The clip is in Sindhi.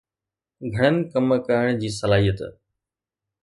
گھڻن ڪم ڪرڻ جي صلاحيت